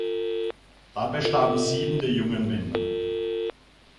Dabei starben sieben der jungen Männer.